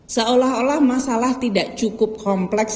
seolah olah masalah tidak cukup kompleks